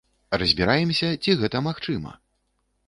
Разбіраемся, ці гэта магчыма?